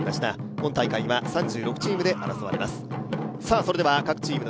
今大会は３６チームで争われます。